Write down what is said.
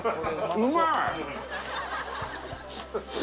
うまい！